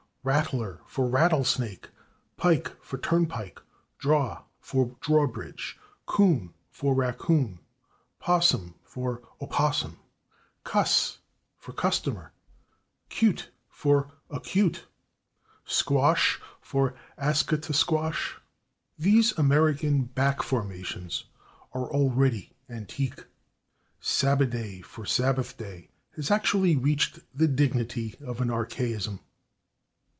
/Rattler/ for /rattlesnake/, /pike/ for /turnpike/, /draw/ for /drawbridge/, /coon/ for /raccoon/, /possum/ for /opossum/, /cuss/ for /customer/, /cute/ for /acute/, /squash/ for /askutasquash/ these American back formations are already antique; /Sabbaday/ for /Sabbath day/ has actually reached the dignity of an archaism.